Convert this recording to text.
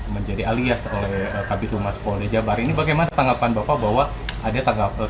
menjadi alias oleh kabit humas polda jabar ini bagaimana tanggapan bapak bahwa ada tanggapan